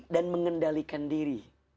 dan mengendalikan diri